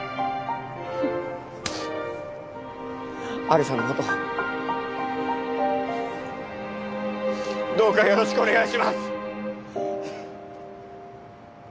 有沙のことどうかよろしくお願いします。